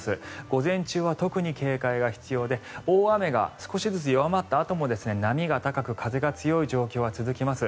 午前中は特に警戒が必要で大雨が少しずつ弱まったあとも波が高く、風が強い状況は続きます。